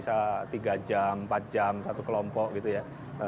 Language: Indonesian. setiap kelompok itu bisa tiga jam empat jam satu kelompok gitu ya